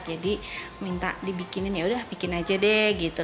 jadi minta dibikinin yaudah bikin aja deh gitu